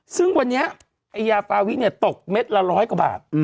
ซึ่งวันนี้ยาฟาวีตกเม็ดละร้อยกว่าบาท